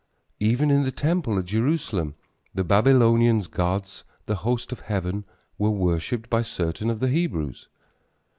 Even in the temple at Jerusalem the Babylonians' gods, the host of heaven, were worshipped by certain of the Hebrews.